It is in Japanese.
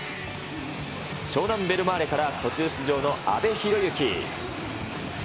湘南ベルマーレから途中出場の阿部浩之。